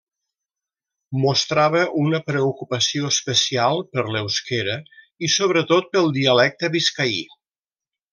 Mostrava una preocupació especial per l'euskera i sobretot pel dialecte biscaí.